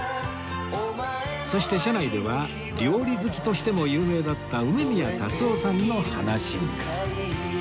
そして車内では料理好きとしても有名だった梅宮辰夫さんの話に